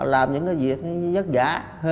làm những cái việc giấc giả